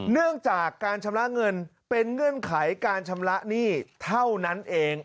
เนื่องจากการชำระเงินเป็นเงื่อนไขการชำระหนี้เท่านั้นเอง